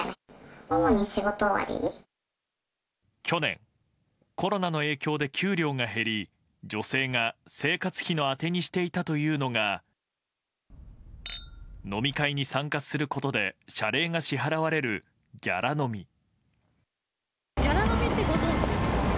去年、コロナの影響で給料が減り女性が生活費の当てにしていたというのが飲み会に参加することで謝礼が支払われるギャラ飲み。